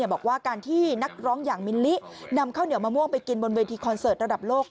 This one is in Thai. บอกว่าการที่นักร้องอย่างมิลลินำข้าวเหนียวมะม่วงไปกินบนเวทีคอนเสิร์ตระดับโลก